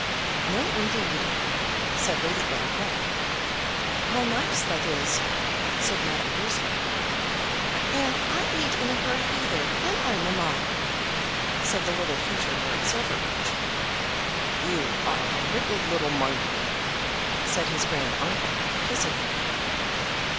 "No, indeed," said Lady Glencora. "How nice that is," said Madame Goesler. "And I ain't in a hurry either, am I, mamma?" said the little future Lord Silverbridge. "You are a wicked little monkey," said his grand uncle, kissing him.